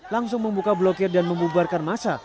langsung membuka blokir dan membubarkan masa